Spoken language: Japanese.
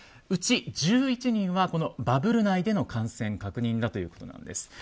うち１１人はバブル内での感染確認ということです。